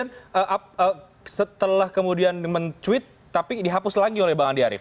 nah ini yang men tweet tapi dihapus lagi oleh bang andi arief